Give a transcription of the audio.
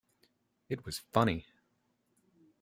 It was funny.